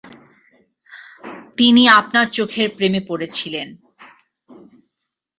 তিনি আপনার চোখের প্রেমে পড়েছিলেন।